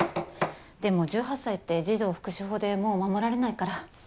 でも１８歳って児童福祉法でもう守られないから。